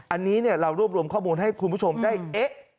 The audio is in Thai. อันนี้เรารวบรวมข้อมูลให้คุณผู้ชมได้เอ๊ะ